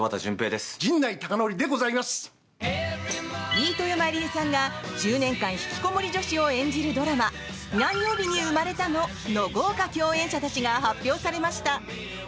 飯豊まりえさんが１０年間ひきこもり女子を演じるドラマ「何曜日に生まれたの」の豪華共演者たちが発表されました。